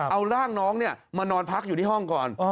เอาร่างน้องมานอนพักอยู่ที่ห้องก่อน